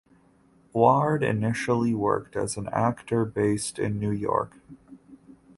Ward initially worked as an actor based in New York.